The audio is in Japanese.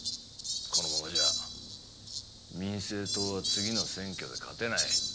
このままじゃ民生党は次の選挙で勝てない。